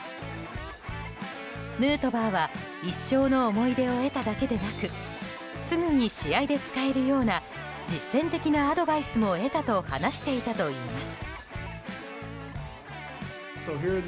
ヌートバーは、一生の思い出を得ただけでなくすぐに試合で使えるような実践的なアドバイスも得たと話していたといいます。